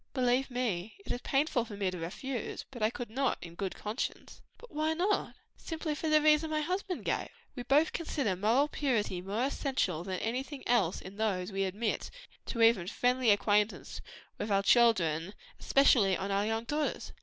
"Believe me, it is painful to me to refuse, but I could not, in conscience." "But why not?" "Simply for the reason my husband gave. We both consider moral purity more essential than anything else in those we admit to even friendly intercourse with our children; especially our daughters."